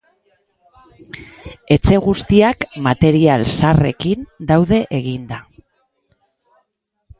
Etxe guztiak material zaharrekin daude eginda.